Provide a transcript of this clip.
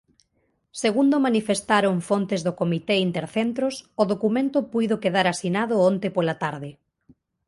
Segundo manifestaron fontes do comité intercentros, o documento puido quedar asinado onte pola tarde.